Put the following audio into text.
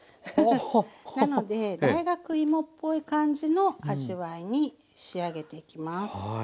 なので大学いもっぽい感じの味わいに仕上げていきます。